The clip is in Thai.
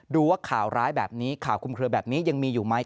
ดูว่าข่าวร้ายแบบนี้ข่าวคุมเคลือแบบนี้ยังมีอยู่ไหม